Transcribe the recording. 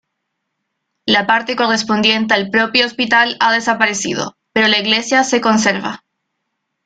La parte correspondiente al propio hospital ha desaparecido, pero la iglesia se conserva.